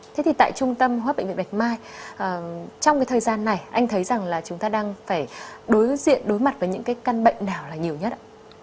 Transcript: thế thì tại trung tâm hô hấp bệnh viện bạch mai trong thời gian này anh thấy rằng chúng ta đang phải đối diện đối mặt với những căn bệnh nào là nhiều nhất ạ